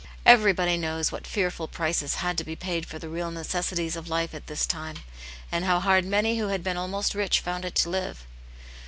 Everybody knows what fearful prices had to be paid for the real necessaries of life at this time, and how hard many who had been almost rich found it to live.